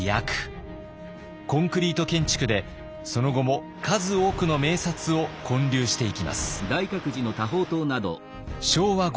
コンクリート建築でその後も数多くの名刹を建立していきます。